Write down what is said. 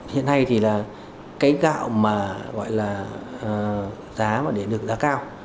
hiện nay thì là cái gạo mà gọi là giá mà để được giá cao